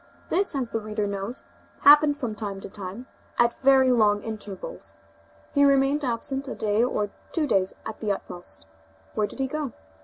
This, as the reader knows, happened from time to time, at very long intervals. He remained absent a day or two days at the utmost. Where did he go?